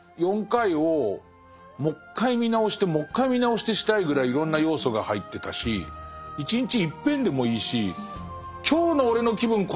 ４回をもう１回見直してもう１回見直してしたいぐらいいろんな要素が入ってたし１日１篇でもいいし今日の俺の気分